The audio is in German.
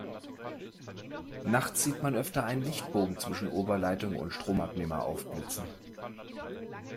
Nachts sieht man öfter einen Lichtbogen zwischen Oberleitung und Stromabnehmer aufblitzen.